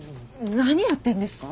何やってるんですか？